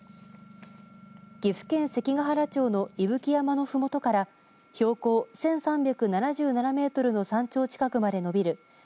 岐阜県関ケ原町の伊吹山のふもとから標高１３７７メートルの山頂近くまで延びる